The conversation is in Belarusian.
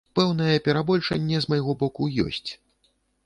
Пэўнае перабольшанне з майго боку ёсць.